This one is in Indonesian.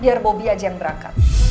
biar bobi aja yang berangkat